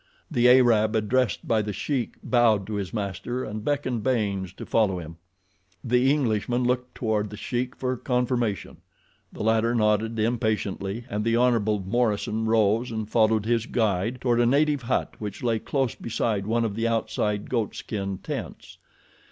The Arab addressed by The Sheik bowed to his master and beckoned Baynes to follow him. The Englishman looked toward The Sheik for confirmation. The latter nodded impatiently, and the Hon. Morison rose and followed his guide toward a native hut which lay close beside one of the outside goatskin tents.